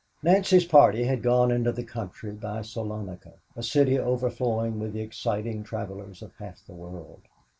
Nancy's party had gone into the country by Salonika, a city overflowing with the excited travelers of half the world.